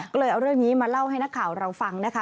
ก็เลยเอาเรื่องนี้มาเล่าให้นักข่าวเราฟังนะคะ